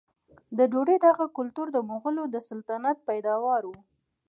د ډوډۍ دغه کلتور د مغولو د سلطنت پیداوار و.